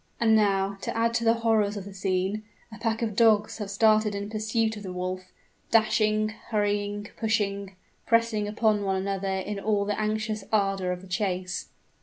And now, to add to the horrors of the scene, a pack of dogs have started in pursuit of the wolf dashing hurrying pushing pressing upon one another in all the anxious ardor of the chase.